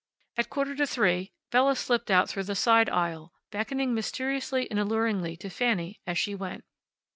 At quarter to three Bella slipped out through the side aisle, beckoning mysteriously and alluringly to Fanny as she went.